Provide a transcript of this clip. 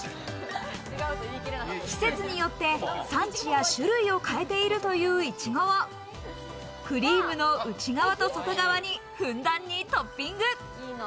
季節によって産地や種類を変えているといういちごをクリームの内側と外側にふんだんにトッピング。